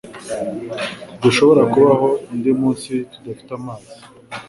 Ntidushobora kubaho undi munsi tudafite amazi